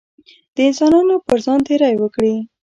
د انسانانو پر ځان تېری وکړي.